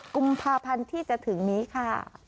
กุมภาพันธ์ที่จะถึงนี้ค่ะ